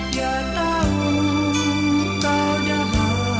dia tahu kau dah